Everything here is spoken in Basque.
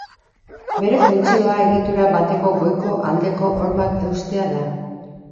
Bere funtzioa egitura bateko goiko aldeko hormak eustea da.